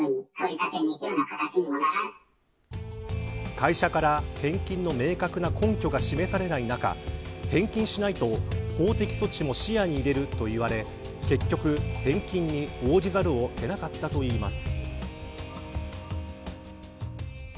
会社から返金の明確な根拠が示されない中返金しないと法的措置も視野に入れると言われ結局、返金に応じざるを得なかったといいます。